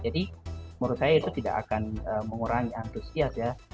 jadi menurut saya itu tidak akan mengurangi antusias ya